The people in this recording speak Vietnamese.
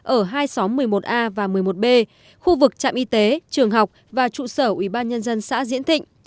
ở hai xóm một mươi một a và một mươi một b khu vực trạm y tế trường học và trụ sở ủy ban nhân dân xã diễn thịnh